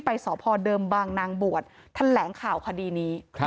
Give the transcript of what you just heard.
สพเดิมบางนางบวชแถลงข่าวคดีนี้